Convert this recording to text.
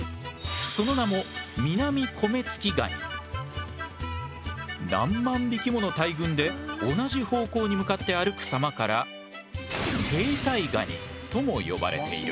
その名も何万匹もの大群で同じ方向に向かって歩く様から兵隊ガニとも呼ばれている。